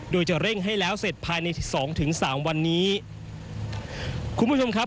โดยจะเร่งให้แล้วเสร็จภายในสองถึงสามวันนี้คุณผู้ชมครับ